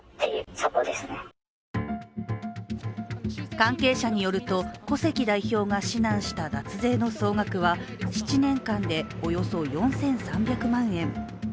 関係者によると古関代表が指南した脱税の総額は７年間でおよそ４３００万円。